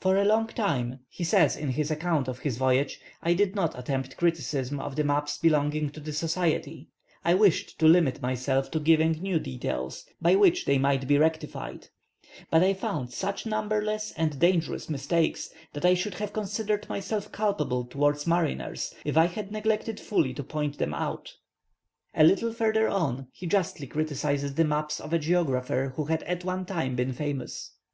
"For a long time," he says, in his account of his voyage, "I did not attempt criticism of the maps belonging to the Society; I wished to limit myself to giving new details by which they might be rectified; but I found such numberless and dangerous mistakes, that I should have considered myself culpable towards mariners if I had neglected fully to point them out." A little further on he justly criticizes the maps of a geographer who had at one time been famous.